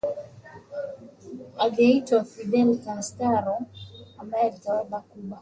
aliyeitwa Fidel Castro ambaye aliitawala Cuba